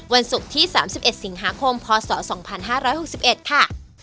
วันศุกร์ที่๓๑สิงหาคมพศ๒๕๖๑ค่ะ